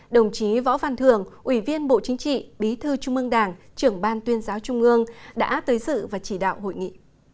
đồng chí võ văn thường ủy viên bộ chính trị bí thư trung ương đảng trưởng ban tuyên giáo trung ương đã tới sự và chỉ đạo hội nghị